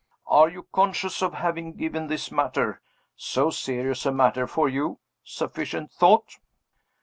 Are you conscious of having given this matter so serious a matter for you sufficient thought?"